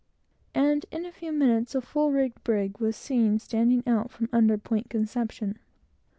and in a few minutes a full rigged brig was seen standing out from under Point Conception.